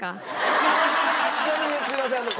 ちなみにすいません